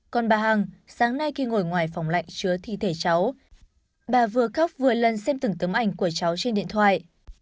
còn bà hằng sáng nay khi ngồi ngoài phòng lạnh chứa thi thể cháu bà vừa khóc vừa lần xem từng tấm ảnh của cháu trên điện thoại